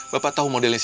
bapak tahu modelnya